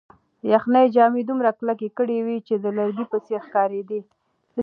یخنۍ جامې دومره کلکې کړې وې چې د لرګي په څېر ښکارېدې.